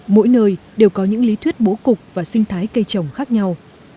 mỗi nơi đều có những lý thuyết bố cục và sinh thái cây trồng khác nhau